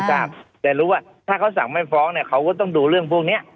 ทราบแต่รู้ว่าถ้าเขาสั่งไม่ฟ้องเนี่ยเขาก็ต้องดูเรื่องพวกเนี้ย